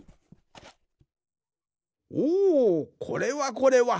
おおこれはこれは。